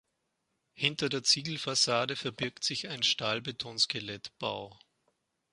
Hinter der Ziegelfassade verbirgt sich ein Stahlbetonskelettbau.